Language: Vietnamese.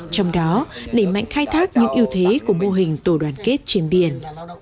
trong đó đẩy mạnh khai thác những ưu thế của mô hình tổ đoàn kết trên biển